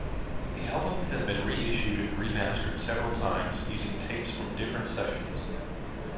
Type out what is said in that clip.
The album has been re-issued remastered several times using tapes from different sessions.